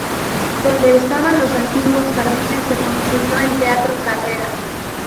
Donde estaban los antiguos jardines se construyó el Teatro Carrera.